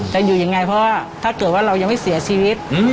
จะอยู่ยังไงเพราะว่าถ้าเกิดว่าเรายังไม่เสียชีวิต